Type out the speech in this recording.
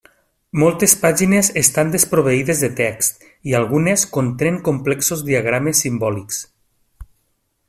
Moltes pàgines estan desproveïdes de text i algunes contenen complexos diagrames simbòlics.